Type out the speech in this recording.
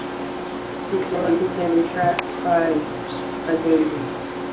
This loyalty can be tracked by a database.